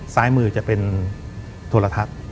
ซ้ายมือจะเป็นโทรทัศน์